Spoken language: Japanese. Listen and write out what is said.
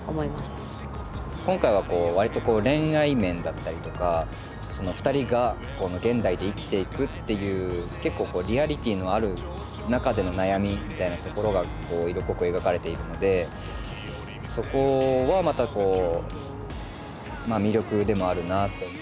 今回はこう割と恋愛面だったりとかふたりが現代で生きていくっていう結構リアリティーのある中での悩みみたいなところが色濃く描かれているのでそこはまた魅力でもあるなあと。